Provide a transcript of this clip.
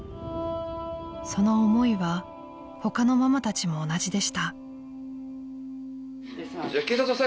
［その思いは他のママたちも同じでした］